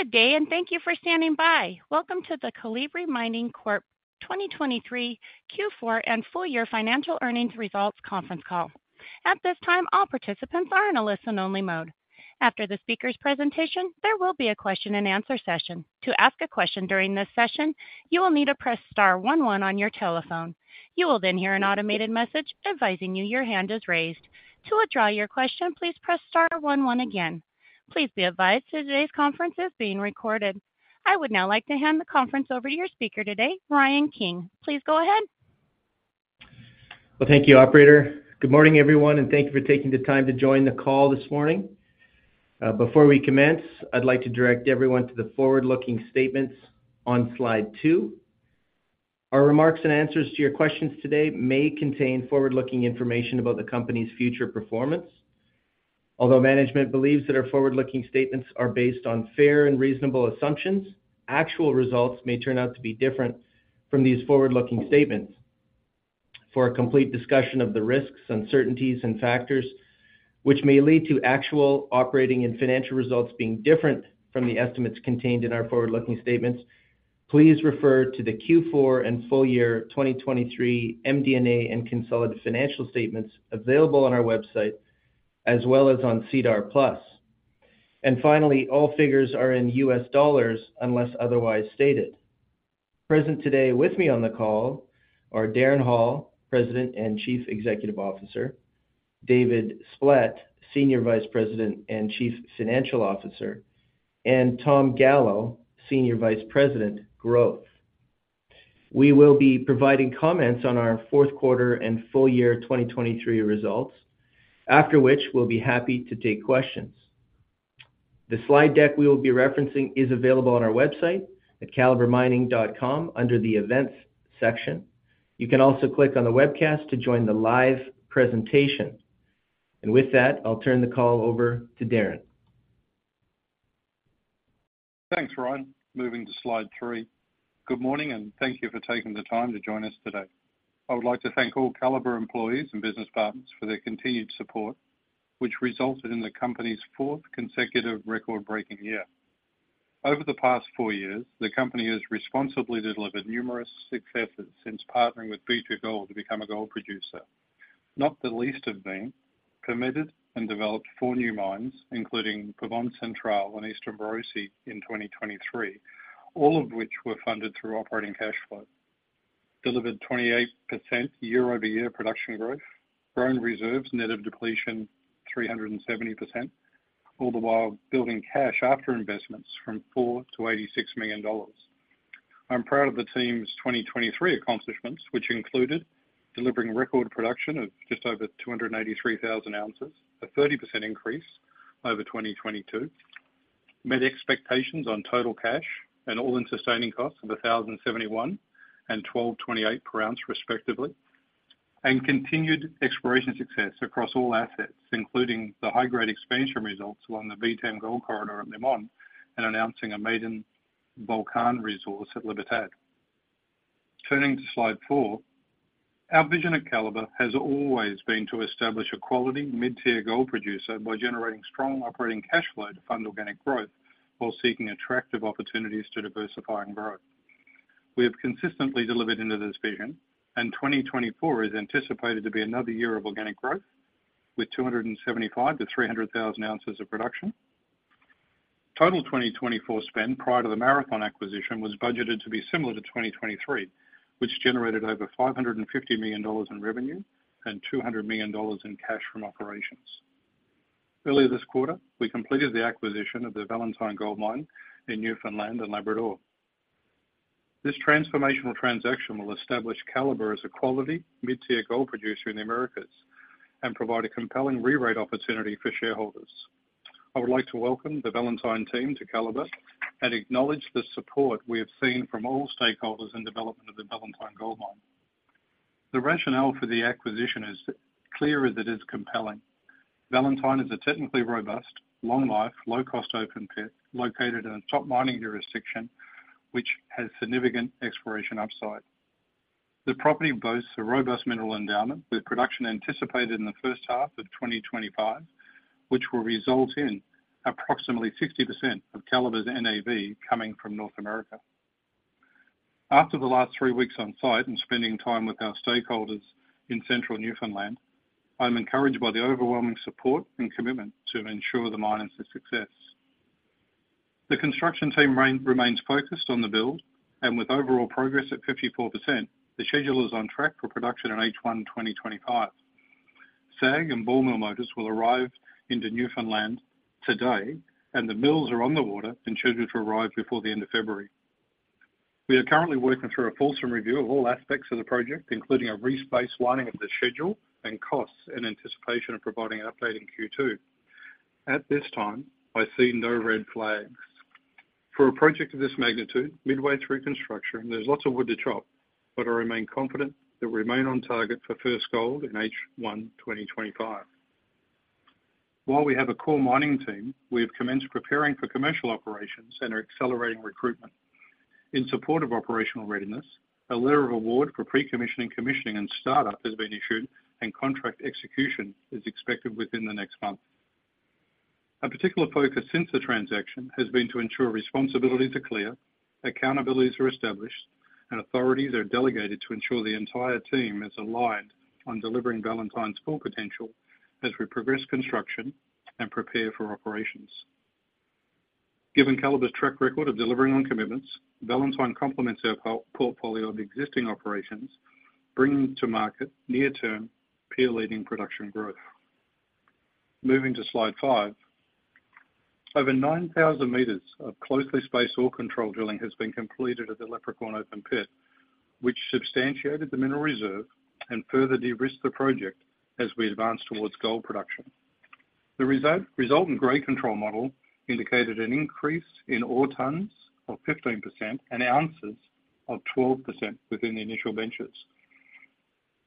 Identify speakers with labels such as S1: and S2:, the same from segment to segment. S1: Good day, and thank you for standing by. Welcome to the Calibre Mining Corp. 2023 Q4 and full year financial earnings results conference call. At this time, all participants are in a listen-only mode. After the speaker's presentation, there will be a question and answer session. To ask a question during this session, you will need to press star one one on your telephone. You will then hear an automated message advising you your hand is raised. To withdraw your question, please press star one one again. Please be advised that today's conference is being recorded. I would now like to hand the conference over to your speaker today, Ryan King. Please go ahead.
S2: Well, thank you, operator. Good morning, everyone, and thank you for taking the time to join the call this morning. Before we commence, I'd like to direct everyone to the forward-looking statements on slide 2. Our remarks and answers to your questions today may contain forward-looking information about the company's future performance. Although management believes that our forward-looking statements are based on fair and reasonable assumptions, actual results may turn out to be different from these forward-looking statements. For a complete discussion of the risks, uncertainties, and factors which may lead to actual operating and financial results being different from the estimates contained in our forward-looking statements, please refer to the Q4 and full year 2023 MD&A and consolidated financial statements available on our website, as well as on SEDAR+. And finally, all figures are in US dollars unless otherwise stated. Present today with me on the call are Darren Hall, President and Chief Executive Officer, David Splett, Senior Vice President and Chief Financial Officer, and Tom Gallo, Senior Vice President, Growth. We will be providing comments on our fourth quarter and full year 2023 results, after which we'll be happy to take questions. The slide deck we will be referencing is available on our website at calibremining.com, under the Events section. You can also click on the webcast to join the live presentation. With that, I'll turn the call over to Darren.
S3: Thanks, Ryan. Moving to slide 3. Good morning, and thank you for taking the time to join us today. I would like to thank all Calibre employees and business partners for their continued support, which resulted in the company's fourth consecutive record-breaking year. Over the past 4 years, the company has responsibly delivered numerous successes since partnering with B2Gold to become a gold producer, not the least of being permitted and developed 4 new mines, including Pavón Central and Eastern Borosi in 2023, all of which were funded through operating cash flow. Delivered 28% year-over-year production growth, grown reserves net of depletion 370%, all the while building cash after investments from $4 million to $86 million. I'm proud of the team's 2023 accomplishments, which included delivering record production of just over 283,000 ounces, a 30% increase over 2022. Met expectations on total cash and all-in sustaining costs of $1,071 and $1,228 per ounce, respectively, and continued exploration success across all assets, including the high-grade expansion results along the VTEM Gold Corridor at Limón, and announcing a maiden Volcan resource at Libertad. Turning to slide 4. Our vision at Calibre has always been to establish a quality mid-tier gold producer by generating strong operating cash flow to fund organic growth, while seeking attractive opportunities to diversify and grow. We have consistently delivered into this vision, and 2024 is anticipated to be another year of organic growth, with 275,000-300,000 ounces of production. Total 2024 spend prior to the Marathon acquisition was budgeted to be similar to 2023, which generated over $550 million in revenue and $200 million in cash from operations. Earlier this quarter, we completed the acquisition of the Valentine Gold Mine in Newfoundland and Labrador. This transformational transaction will establish Calibre as a quality mid-tier gold producer in the Americas and provide a compelling rerate opportunity for shareholders. I would like to welcome the Valentine team to Calibre and acknowledge the support we have seen from all stakeholders in development of the Valentine Gold Mine. The rationale for the acquisition is clear as it is compelling. Valentine is a technically robust, long life, low cost open pit, located in a top mining jurisdiction, which has significant exploration upside. The property boasts a robust mineral endowment, with production anticipated in the first half of 2025, which will result in approximately 60% of Calibre's NAV coming from North America. After the last 3 weeks on site and spending time with our stakeholders in central Newfoundland, I'm encouraged by the overwhelming support and commitment to ensure the mine is a success. The construction team remains focused on the build, and with overall progress at 54%, the schedule is on track for production in H1 2025. SAG and ball mill motors will arrive into Newfoundland today, and the mills are on the water and scheduled to arrive before the end of February. We are currently working through a fullsome review of all aspects of the project, including a re-baselining of the schedule and costs in anticipation of providing an update in Q2. At this time, I see no red flags. For a project of this magnitude, midway through construction, there's lots of wood to chop, but I remain confident that we remain on target for first gold in H1 2025. While we have a core mining team, we have commenced preparing for commercial operations and are accelerating recruitment. In support of operational readiness, a letter of award for pre-commissioning, commissioning, and startup has been issued, and contract execution is expected within the next month. A particular focus since the transaction has been to ensure responsibilities are clear, accountabilities are established, and authorities are delegated to ensure the entire team is aligned on delivering Valentine's full potential as we progress construction and prepare for operations. Given Calibre's track record of delivering on commitments, Valentine complements our portfolio of existing operations, bringing to market near-term peer-leading production growth. Moving to slide 5. Over 9,000 meters of closely spaced ore control drilling has been completed at the Leprechaun open pit, which substantiated the mineral reserve and further de-risked the project as we advance towards gold production. The resultant grade control model indicated an increase in ore tonnes of 15% and ounces of 12% within the initial benches.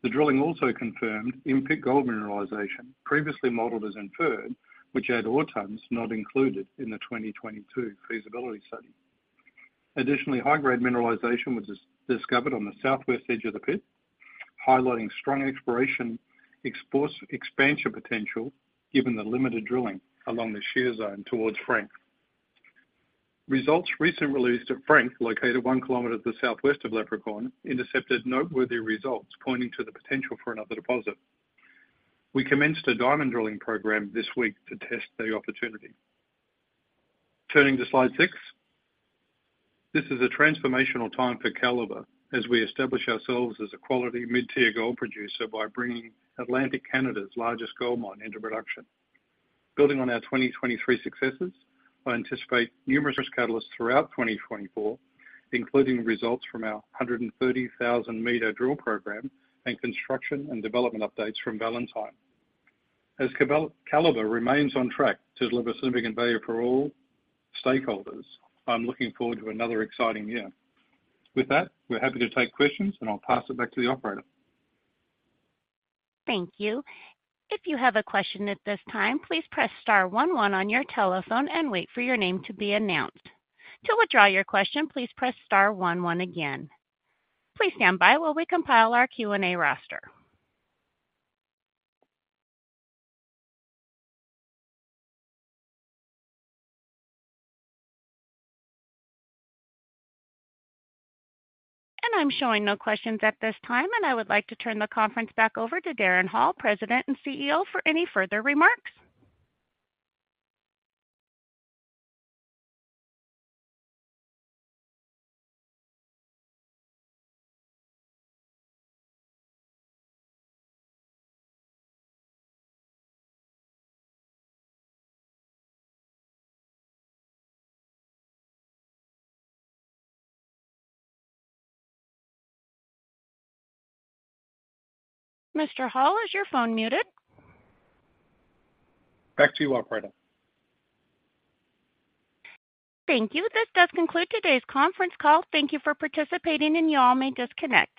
S3: The drilling also confirmed in-pit gold mineralization previously modeled as inferred, which had ore tonnes not included in the 2022 feasibility study. Additionally, high-grade mineralization was discovered on the southwest edge of the pit, highlighting strong exploration expansion potential, given the limited drilling along the shear zone towards Frank. Results recently released at Frank, located 1 kilometer to the southwest of Leprechaun, intercepted noteworthy results, pointing to the potential for another deposit. We commenced a diamond drilling program this week to test the opportunity. Turning to slide 6. This is a transformational time for Calibre as we establish ourselves as a quality mid-tier gold producer by bringing Atlantic Canada's largest gold mine into production. Building on our 2023 successes, I anticipate numerous catalysts throughout 2024, including results from our 130,000-meter drill program and construction and development updates from Valentine. As Calibre remains on track to deliver significant value for all stakeholders, I'm looking forward to another exciting year. With that, we're happy to take questions, and I'll pass it back to the operator.
S1: Thank you. If you have a question at this time, please press star one one on your telephone and wait for your name to be announced. To withdraw your question, please press star one one again. Please stand by while we compile our Q&A roster. And I'm showing no questions at this time, and I would like to turn the conference back over to Darren Hall, President and CEO, for any further remarks. Mr. Hall, is your phone muted?
S3: Back to you, operator.
S1: Thank you. This does conclude today's conference call. Thank you for participating, and you all may disconnect.